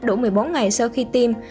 đủ một mươi bốn ngày sau khi tiêm